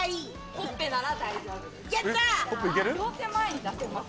ほっぺなら大丈夫です。